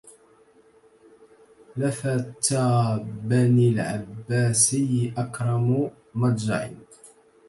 لفتى بني العبسي أكرم مضجع